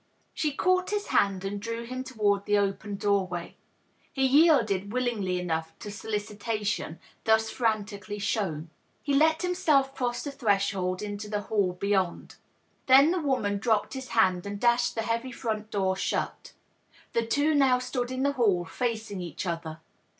She caught his hand and drew him toward the open door way. He yielded willingly enough to solicitation thus frantically shown. He let himself cross the threshold into the hall beyond. Then the woman dropped his hand, and dashed the heavy front door shut. The two now stood in the hall, facing each other.